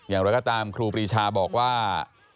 อย่างไรก็ตามครูปรีชาบอกว่า